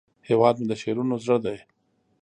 هیواد مې د شعرونو زړه دی